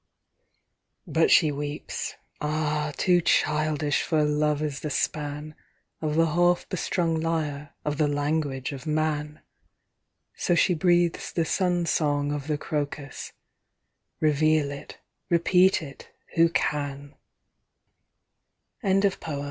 But she weeps — ah, too childish For love is the span Of the half bestrung lyre Of the language of man ; So she breathes the sun song of the crocus, reveal it, repeat